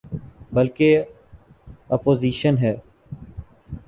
بلکہ اپوزیشن ہے۔